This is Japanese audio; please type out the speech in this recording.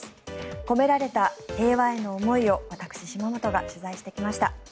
込められた平和への思いを私、島本が取材してきました。